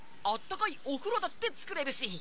あったかいおふろだってつくれるし。